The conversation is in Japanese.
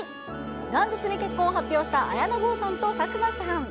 元日に結婚を発表した綾野剛さんと佐久間由衣さん。